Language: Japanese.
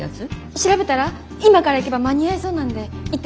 調べたら今から行けば間に合いそうなんで行ってきます。